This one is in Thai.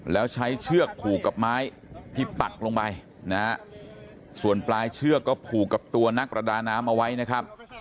แล้วใช้เชือกผูกกับไม้ที่ปักลงไปนะฮะส่วนปลายเชือกก็ผูกกับตัวนักประดาน้ำเอาไว้นะครับ